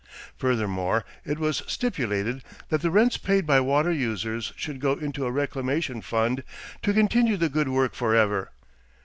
Furthermore it was stipulated that the rents paid by water users should go into a reclamation fund to continue the good work forever.